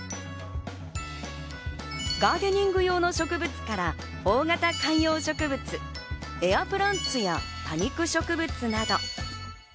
ガーデニング用の植物から大型観葉植物、エアプランツや多肉植物など。